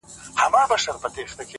شکر چي هغه يمه شکر دی چي دی نه يمه!!